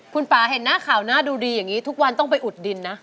คุณป่าเห็นหน้าข่าวหน้าดูดีอย่างนี้ทุกวันต้องไปอุดดินนะ